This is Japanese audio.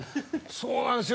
そうなんですよ。